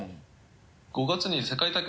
５月に世界大会。